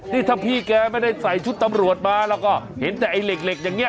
นี่ถ้าพี่แกไม่ได้ใส่ชุดตำรวจมาแล้วก็เห็นแต่ไอ้เหล็กอย่างนี้